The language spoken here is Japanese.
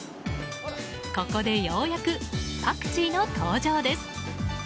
ここでようやくパクチーの登場です。